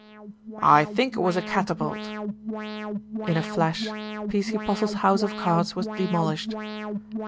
"I think it was a catapult." In a flash P.C. Postle's house of cards was de molished.